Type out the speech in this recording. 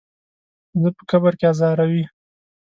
زه په قبر کې ازاروي.